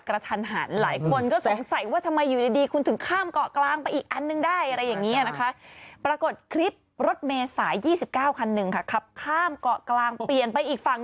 ร่างร่มไปทุกงานมวยทานเมื่อไหร่จะมีอยู่ที่ราง